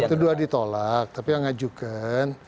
itu dua ditolak tapi yang ngajukan